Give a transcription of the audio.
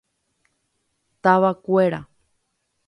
Tavakuéra.